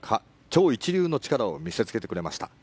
超一流の力を見せつけてくれました。